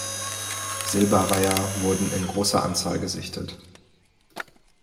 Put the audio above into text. Silberreiher wurden in großer Anzahl gesichtet.